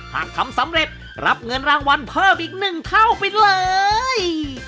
หากทำสำเร็จรับเงินรางวัลเพิ่มอีก๑เท่าไปเลย